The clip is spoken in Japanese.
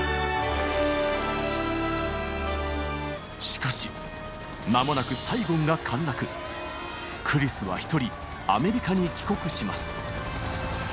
しかし間もなくクリスは一人アメリカに帰国します。